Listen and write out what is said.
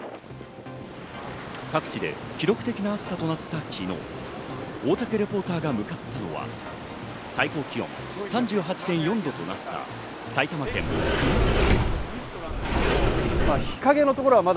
各地で記録的な暑さとなった昨日、大竹レポーターが向かったのは、最高気温３８．４度となった、埼玉県熊谷。